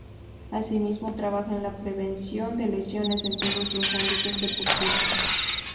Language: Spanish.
Así mismo trabaja en la prevención de lesiones en todos los ámbitos deportivos.